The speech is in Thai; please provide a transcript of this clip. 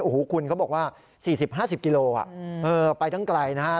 โอ้โหคุณเขาบอกว่า๔๐๕๐กิโลไปทั้งไกลนะฮะ